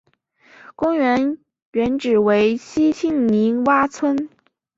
公园原址为西青泥洼村。